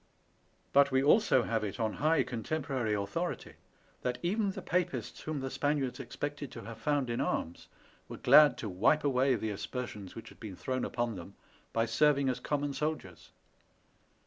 But we also have it on high contemporary authority, " that even the Papists whom the Spaniards expected to have found SPANISH ARMADA. 803 in arms were glad to wipe away the aspersions which had been thrown upon them, by serving as common soldiers.